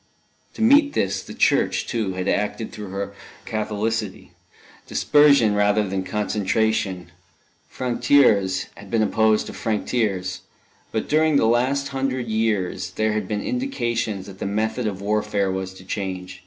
To meet this, the Church, too, had acted through her Catholicity dispersion rather than concentration: franc tireurs had been opposed to franc tireurs. But during the last hundred years there had been indications that the method of warfare was to change.